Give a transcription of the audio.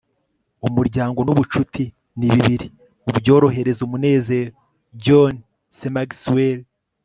umuryango n'ubucuti ni bibiri mu byorohereza umunezero. - john c. maxwell